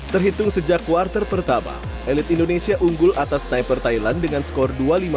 terhitung sejak kuartal pertama elit indonesia unggul atas sniper thailand dengan skor dua lima